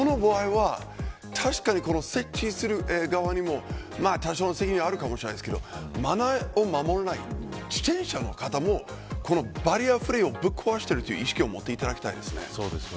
でも、この場合は確かに設置する側にも、多少責任があるかもしれないですけどマナーを守らない自転車の方もこのバリアフリーをぶっ壊しているという意識を持っていただきたいですね。